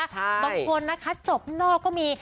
บางคนนะคะจบข้างนอกก็มี